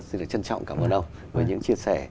rất là trân trọng cảm ơn ông với những chia sẻ